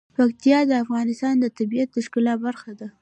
پکتیا د افغانستان د طبیعت د ښکلا برخه ده.